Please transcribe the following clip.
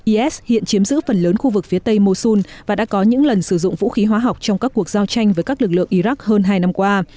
is hiện chiếm giữ phần lớn khu vực phía tây mosun và đã có những lần sử dụng vũ khí hóa học trong các cuộc giao tranh với các lực lượng iraq hơn hai năm qua